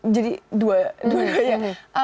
jadi dua ya